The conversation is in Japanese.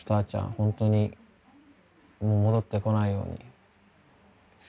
ホントにもう戻って来ないように。